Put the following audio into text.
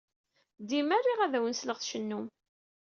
Dima riɣ ad awen-sleɣ tcennum.